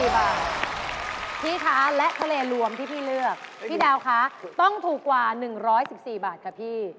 พี่คะและทะเลรวมที่พี่เลือกพี่ดาวคะต้องถูกกว่า๑๑๔บาทค่ะพี่